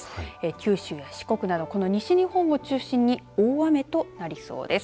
九州、四国など西日本を中心に大雨となりそうです。